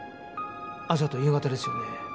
朝と夕方ですよね？